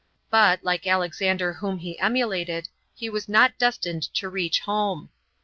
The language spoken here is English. But, like Alexander whom he emulated, he was not destined to reach ijonie.